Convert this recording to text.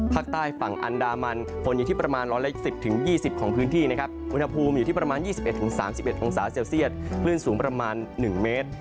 ภาคใต้ฝั่งอันดามันฝนอยู่ที่ประมาณ๑๑๐๒๐ของพื้นที่นะครับอุณหภูมิอยู่ที่ประมาณ๒๑๓๑องศาเซลเซียตคลื่นสูงประมาณ๑เมตร